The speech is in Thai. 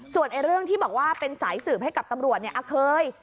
ส่วนเรื่องที่บอกว่าเป็นสายสืบให้กับตำรวจเนี่ยเคย